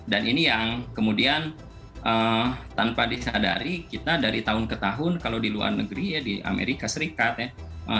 dan ini yang kemudian tanpa disadari kita dari tahun ke tahun kalau di luar negeri ya di amerika serikat ya